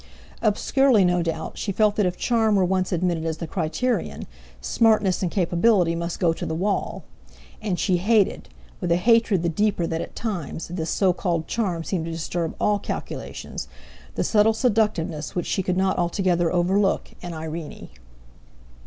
Obscurely, no doubt, she felt that if charm were once admitted as the criterion, smartness and capability must go to the wall; and she hated—with a hatred the deeper that at times this so called charm seemed to disturb all calculations—the subtle seductiveness which she could not altogether overlook in Irene.